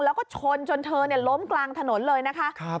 แล้วก็ชนจนเธอล้มกลางถนนเลยนะคะ